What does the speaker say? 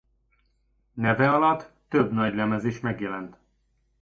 Neve alatt több nagylemez is megjelent.